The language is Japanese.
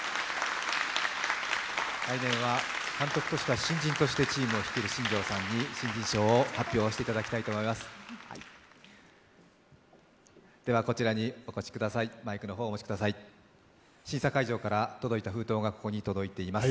来年は監督としては新人としてチームを率いる新庄さんに新人賞を発表していただきたいと思います。